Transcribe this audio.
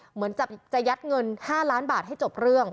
เหมือนจะยัดเงิน๕ล้านบาทให้จบเรื่อง